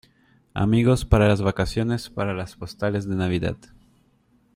amigos para las vacaciones, para las postales de Navidad